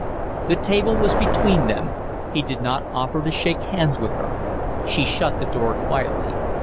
The table was between them. He did not offer to shake hands with her. She shut the door quietly.